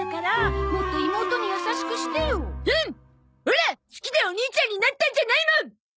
オラ好きでお兄ちゃんになったんじゃないもん！